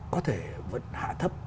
có thể vẫn hạ thấp